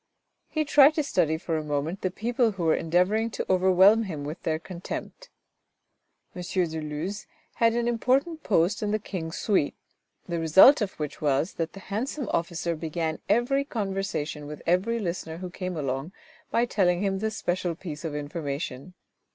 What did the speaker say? He tried to study for a moment the people who were endeavouring to overwhelm him with their contempt. M. de Luz had an important post in the King's suite, the result of which was that the handsome officer began every conversation with every listener who came along by telling him this special piece of information.